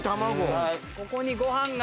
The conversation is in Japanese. ここにご飯が。